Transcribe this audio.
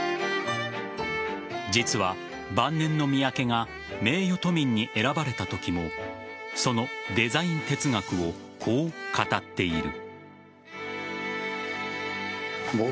実は晩年の三宅が名誉都民に選ばれたときもそのデザイン哲学をこう語っている。